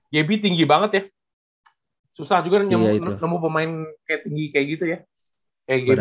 gaby tinggi banget ya susah juga nyamuk nyamuk pemain kayak tinggi kayak gitu ya kayak gaby